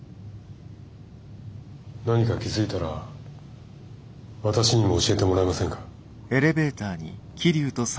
何か気付いたら私にも教えてもらえませんか？